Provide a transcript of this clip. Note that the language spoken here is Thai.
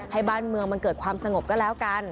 ให้บ้านเมืองมันเกิดความสงบก็แล้วกัน